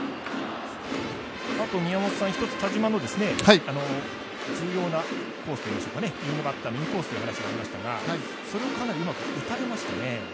あと、宮本さん、一つ、田嶋の重要なコースといいますか右のバッター、右のコースというお話がありましたがそれをかなりうまく打たれましたね。